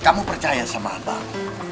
kamu percaya sama abang